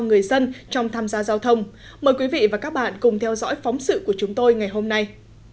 người dân trong tham gia giao thông mời quý vị và các bạn cùng theo dõi phóng sự của chúng tôi ngày hôm nay